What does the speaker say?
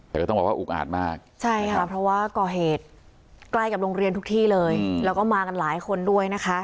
แต่ก็ต้องบอกว่าอุกอาจมากใช่ค่ะเพราะว่าก่อเหตุใกล้กับโรงเรียนทุกที่เลยแล้วก็มากันหลายคนด้วยนะคะ